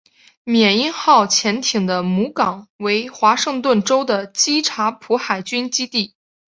缅因号潜艇的母港为华盛顿州的基察普海军基地。